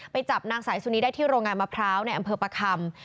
ไปจับนางสายสุนีได้ที่โรงงานมะพร้าวในอำเภอประคำ